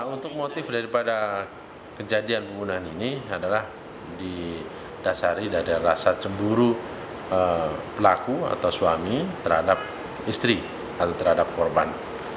untuk motif daripada kejadian pembunuhan ini adalah didasari dari rasa cemburu pelaku atau suami terhadap istri atau terhadap korban